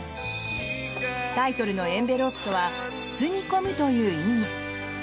タイトルの「エンベロープ」とは包み込むという意味。